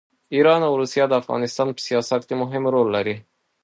ایران او روسیه د افغانستان په سیاست کې مهم رول لري.